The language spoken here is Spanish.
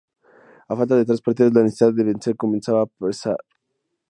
A falta de tres partidas la necesidad de vencer comenzaba a pesar.